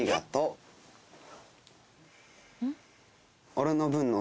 「俺の分の」。